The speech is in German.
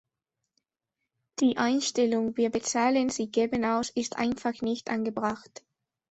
Die Einstellung "Wir bezahlen, sie geben aus" ist einfach nicht angebracht.